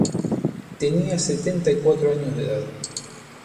Tenía setenta y cuatro años de edad.